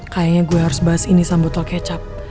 kayaknya gue harus bahas ini sama botol kecap